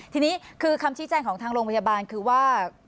ทีนี้คือคำชี้แจงของทางโรงพยาบาลคือว่า